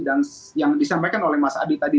dan yang disampaikan oleh mas adi tadi